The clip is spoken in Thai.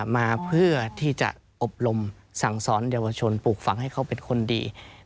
มาเพื่อที่จะอบรมสั่งสอนเยาวชนปลูกฝังให้เขาเป็นคนดี